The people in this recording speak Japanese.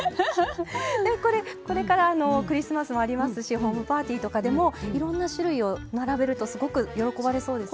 これからクリスマスもありますしホームパーティーとかでもいろんな種類を並べるとすごく喜ばれそうですね。